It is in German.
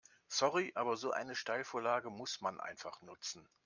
Sorry, aber so eine Steilvorlage muss man einfach nutzen.